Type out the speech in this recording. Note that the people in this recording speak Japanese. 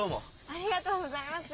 ありがとうございます。